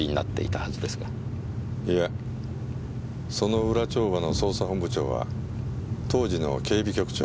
いやその裏帳場の捜査本部長は当時の警備局長。